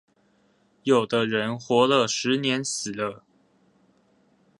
有的人活了十年死了